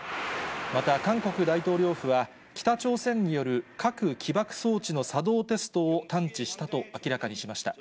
また韓国大統領府は、北朝鮮による核起爆装置の作動テストを探知したと明らかにしました。